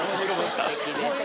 すてきでしたね